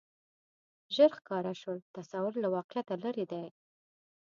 ژر ښکاره شول تصور له واقعیته لرې دی